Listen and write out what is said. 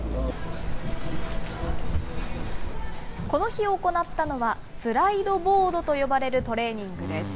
この日行ったのは、スライドボードと呼ばれるトレーニングです。